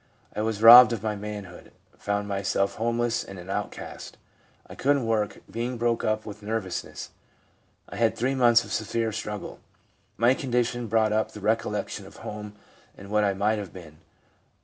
I was robbed of my manhood, found myself homeless and an outcast. I couldn't work, being broken up with nervousness. I had three months of severe struggle. My condition brought up the recollection of home, and what I might have been.